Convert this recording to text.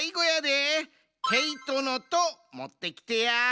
毛糸の「と」もってきてや。